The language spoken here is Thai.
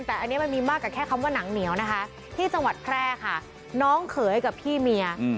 แต่อันนี้มันมีมากกับแค่คำว่าหนังเหนียวนะคะที่จังหวัดแพร่ค่ะน้องเขยกับพี่เมีย